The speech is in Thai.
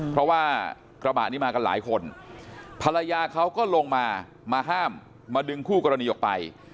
เพราะว่ากระบะนี้มากันหลายคนภรรยาเขาก็ลงมามาห้ามมาดึงคู่กรณีออกไป